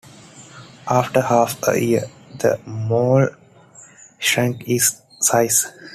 After half a year, the mall shrank its size.